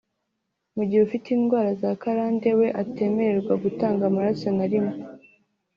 mu gihe ufite indwara z’akarande we atemererwa gutanga amaraso na rimwe